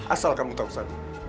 asal kamu tahu sadie